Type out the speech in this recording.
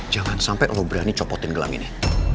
jangan sampai lo berani copotin gelang ini